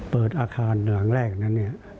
เปิดอาคารหลังแรกนั้น